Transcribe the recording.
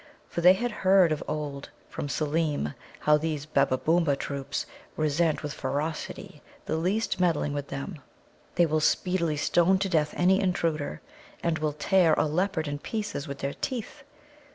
For they had heard of old from Seelem how these Babbabōōma troops resent with ferocity the least meddling with them. They will speedily stone to death any intruder, and will tear a leopard in pieces with their teeth.